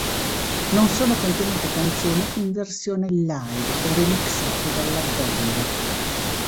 Non sono contenute canzoni in versione live o remixate dalla band.